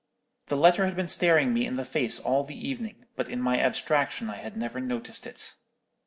"The letter had been staring me in the face all the evening, but in my abstraction I had never noticed it.